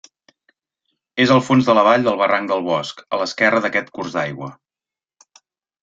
És al fons de la vall del barranc del Bosc, a l'esquerra d'aquest curs d'aigua.